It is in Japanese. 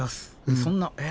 そんなえ？